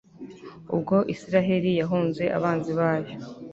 ubwo israheli yahunze abanzi bayo